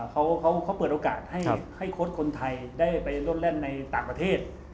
เขาเปิดโอกาสให้โค้ดคนไทยได้ไปลดแล่นในต่างประเทศ